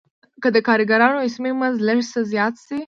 که د کارګرانو اسمي مزد لږ څه زیات شي